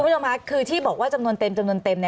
คุณผู้ชมค่ะคือที่บอกว่าจำนวนเต็มจำนวนเต็ม